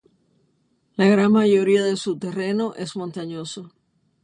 La gran mayoría de su terreno es montañoso.